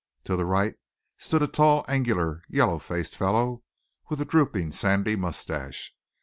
To the right stood a tall, angular, yellow faced fellow with a drooping, sandy mustache.